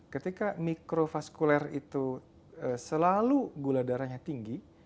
ketika mikrofaskuler itu selalu gula darahnya tinggi